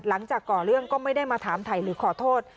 หลังจากก่อเรื่องก็ไม่ได้มาถามไถ่หรือขอโทษ